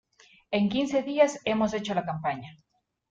En quince días hemos hecho la campaña.